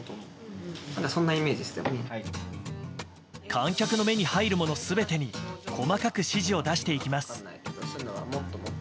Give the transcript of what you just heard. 観客の目に入るもの全てに細かく指示を出していきます。